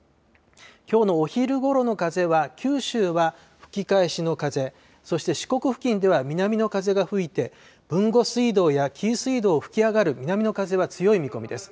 きょうのお昼ごろの風は、九州は吹き返しの風、そして四国付近では南の風が吹いて、豊後水道や紀伊水道を噴き上がる南の風は強い見込みです。